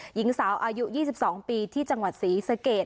หญิงสาวอายุยี่สิบสองปีที่จังหวัดศรีสเกตฯ